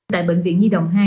đại bệnh viện tp hcm